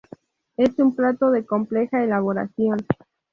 Es un plato de compleja elaboración.